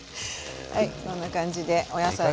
はいこんな感じでお野菜がしっとり。